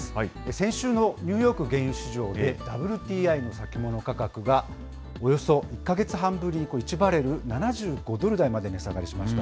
先週のニューヨーク原油市場で、ＷＴＩの先物価格が、およそ１か月半ぶりに１バレル７５ドル台まで値下がりしました。